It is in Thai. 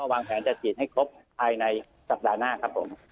วางแผนจะฉีดให้ครบภายในสัปดาห์หน้าครับผม